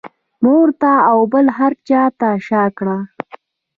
مور ته او بل هر چا ته شا کړه.